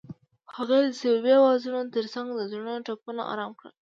هغې د صمیمي اوازونو ترڅنګ د زړونو ټپونه آرام کړل.